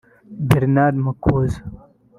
Bernard Makuza